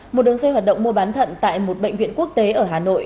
một đường dây hoạt động mua bán thận tại một bệnh viện quốc tế ở hà nội